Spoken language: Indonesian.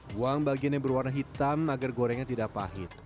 buang bagian yang berwarna hitam agar gorengnya tidak pahit